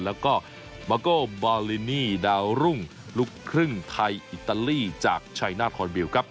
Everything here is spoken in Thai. แล้วก็มาโกบาลินีดาวรุ่งลูกครึ่งไทยอิตาลีจากชัยนาธคอนบิลครับ